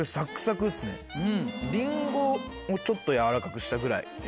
リンゴをちょっとやわらかくしたぐらい。